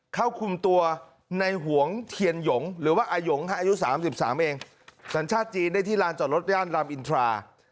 เข้าคุมตัวในหวงเทียนหยงหรือว่าอายงอายุ๓๓เองสัญชาติจีนได้ที่ลานจอดรถย่านรามอินทรา